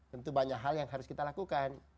tentu banyak hal yang harus kita lakukan